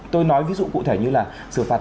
tôi nói ví dụ cụ thể như là xử phạt